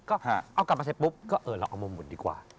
ก็เอากลับมาเสร็จปุ๊บก็เออเราเอามุมหมุนดีกว่า